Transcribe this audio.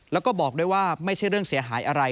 แล้วก็บอกด้วยว่าไม่ใช่เรื่องเสียหายอะไร